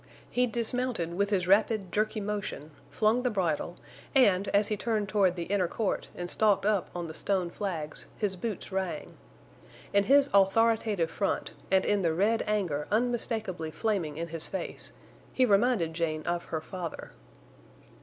He dismounted with his rapid, jerky motion flung the bridle, and, as he turned toward the inner court and stalked up on the stone flags, his boots rang. In his authoritative front, and in the red anger unmistakably flaming in his face, he reminded Jane of her father.